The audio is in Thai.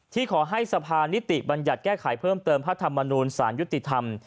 ขอให้สภานิติบัญญัติแก้ไขเพิ่มเติมพระธรรมนูลสารยุติธรรม